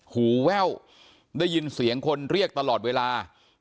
หูแว่วได้ยินเสียงคนเรียกตลอดเวลา